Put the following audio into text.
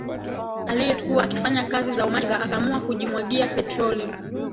aliyekuwa akifanya kazi za umachinga akaamua kujimwagia petroli